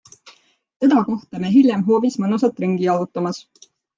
Teda kohtame hiljem hoovis mõnusalt ringi jalutamas.